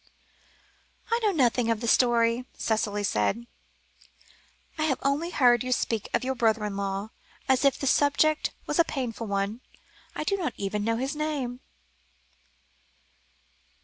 "I know nothing of the story," Cicely said; "I have only heard you speak of your brother in law, as if the subject was a painful one. I do not even know his name."